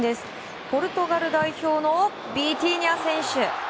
ポルトガル代表のビティーニャ選手。